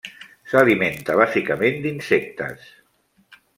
S'alimenta bàsicament d'insectes.